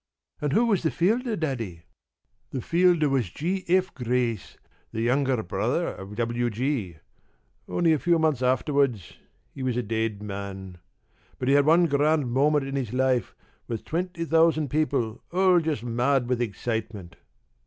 p> "And who was the fielder, Daddy?" "The fielder was G. F. Grace, the younger brother of W. G. Only a few months afterwards he was a dead man. But he had one grand moment in his life, with twenty thousand people all just mad with excitement.